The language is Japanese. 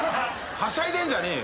はしゃいでんじゃねえよ。